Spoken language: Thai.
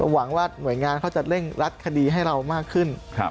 หวังว่าหน่วยงานเขาจะเร่งรัดคดีให้เรามากขึ้น